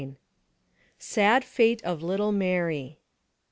SAD FATE OP LITTLE MART.